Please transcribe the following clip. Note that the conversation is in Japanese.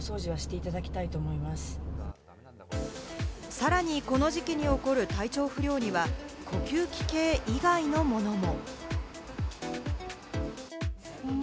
さらにこの時期に起こる体調不良には、呼吸器系以外のものも。